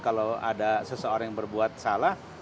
kalau ada seseorang yang berbuat salah